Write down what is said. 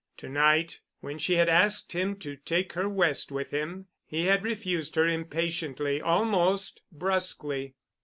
To night, when she had asked him to take her West with him, he had refused her impatiently—almost brusquely.